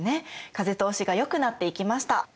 風通しがよくなっていきました。